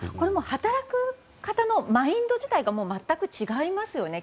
働く方のマインド自体が全く違いますよね。